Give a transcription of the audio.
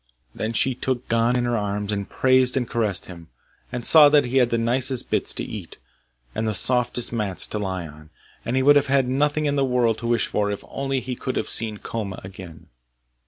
Then she took Gon in her arms, and praised and caressed him, and saw that he had the nicest bits to eat, and the softest mats to lie on; and he would have had nothing in the world to wish for if only he could have seen Koma again.